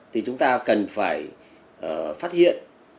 thì chúng ta cần phải phát hiện